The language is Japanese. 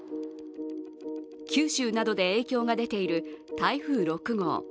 九州などで影響が出ている風６号。